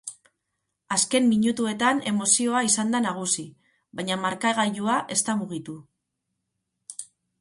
Azken minutuetan emozioa izan da nagusi, baina markagailua ez da mugitu.